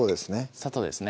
砂糖ですね